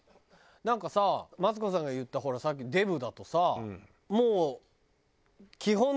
なんかさマツコさんが言ったほらさっきの「デブ」だとさもう。